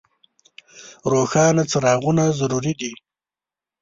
روښانه څراغونه ضروري دي.